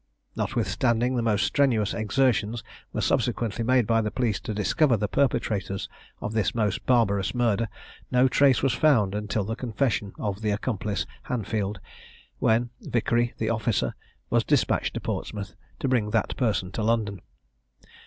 Notwithstanding the most strenuous exertions were subsequently made by the police to discover the perpetrators of this most barbarous murder, no trace was found until the confession of the accomplice Hanfield, when Vickery, the officer, was despatched to Portsmouth to bring that person to London.